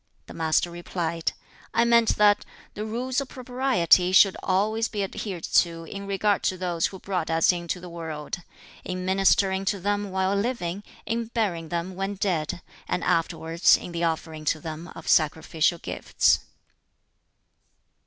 The Master replied, "I meant that the Rules of Propriety should always be adhered to in regard to those who brought us into the world: in ministering to them while living, in burying them when dead, and afterwards in the offering to them of sacrificial gifts."